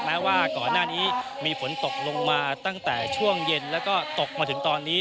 แม้ว่าก่อนหน้านี้มีฝนตกลงมาตั้งแต่ช่วงเย็นแล้วก็ตกมาถึงตอนนี้